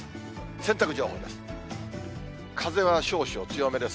洗濯情報です。